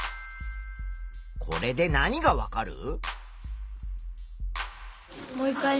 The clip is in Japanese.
これで何がわかる？